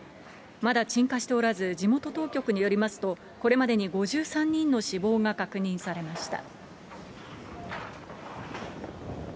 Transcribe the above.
まだ鎮火しておらず、地元当局によりますと、これまでに５３人の死亡が確認されました。